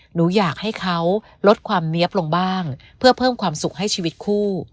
หนูอยากให้เขาลดความเนี๊ยบลงบ้างเพื่อเพิ่มความสุขให้ชีวิตคู่